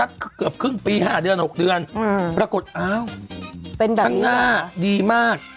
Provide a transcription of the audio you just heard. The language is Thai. นักก็เกือบครึ่งปีห้าเดือนอ๋อกฎเอ้าเป็นแบบนี้เหรอดีมาก